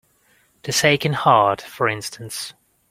This aching heart, for instance.